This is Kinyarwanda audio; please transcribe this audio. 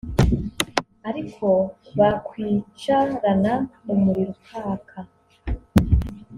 Ariko bakwicarana umuriro ukaka